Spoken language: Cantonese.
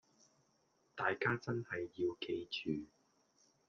大家真係要記住